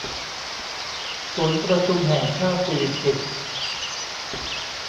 ศูนย์ประชุมแห่งชาติสิริกิติ์